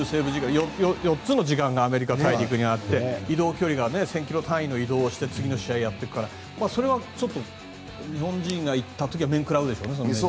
４つの時間がアメリカ大陸にあって移動距離が１０００ｋｍ単位の移動をして試合をやっていくからそれは日本人が行った時は面食らうでしょうね。